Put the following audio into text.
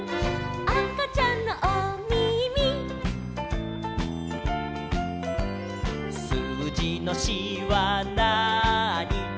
「あかちゃんのおみみ」「すうじの４はなーに」